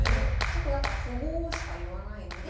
結構だから符号しか言わないので。